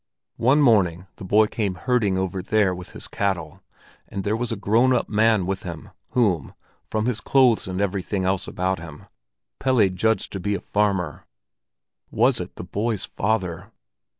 One morning the boy came herding over there with his cattle, and there was a grown up man with him, whom, from his clothes and everything else about him, Pelle judged to be a farmer—was it the boy's father?